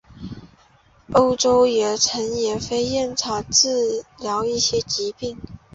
欧洲也曾用野飞燕草治疗一些疾病。